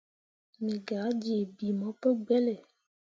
Me gah jii bii mo pu gbelle.